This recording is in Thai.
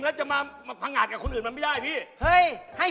ไม่ใช่ว่ามาขอยืมขอไปให้